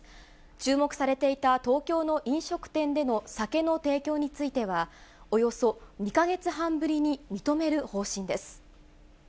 注目されていた東京の飲食店での酒の提供については、およそ２か月半ぶりに認める方針です。